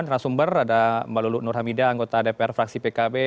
terima kasih sumber ada mbak lulu nur hamidah anggota dpr fraksi pkb